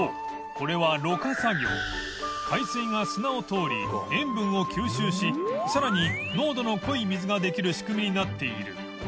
これはろ過作業祿た紊修鯆未塩分を吸収し気蕕濃度の濃い水ができる仕組みになっている淵